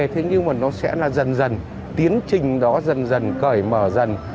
thế nhưng mà nó sẽ là dần dần tiến trình đó dần dần cởi mở dần